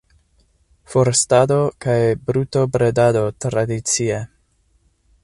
Forstado kaj brutobredado tradicie.